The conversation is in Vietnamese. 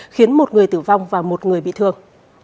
khiến một người tử vong và một người bị thương